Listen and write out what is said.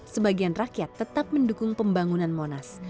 sebagian rakyat tetap mendukung pembangunan monas